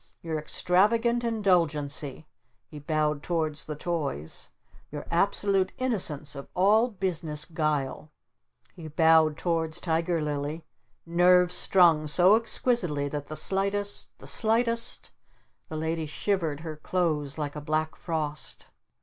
Your extravagant indulgency " he bowed towards the toys "your absolute innocence of all business guile " he bowed towards Tiger Lily "nerves strung so exquisitely that the slightest the slightest " The Lady shivered her clothes like a black frost.